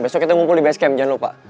besok kita ngumpul di basecamp jangan lupa